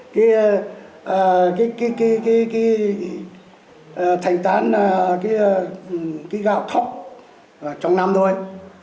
cái thành tán cái gạo thóc trong năm thôi